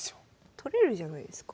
取れるじゃないですか。